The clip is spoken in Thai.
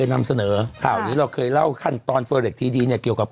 นุ่มข้างไกลมากมายขนาดนี้แล้วนะ